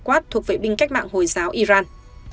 quát thuộc vệ binh cách mạng hồi giáo iran